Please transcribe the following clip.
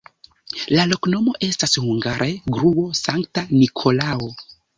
La loknomo estas hungare: gruo-Sankta Nikolao.